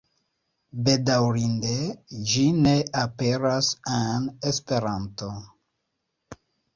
Bedaŭrinde, ĝi ne aperas en Esperanto.